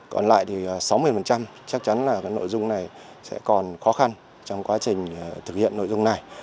còn lại thì sáu mươi chắc chắn là nội dung này sẽ còn khó khăn trong quá trình thực hiện nội dung này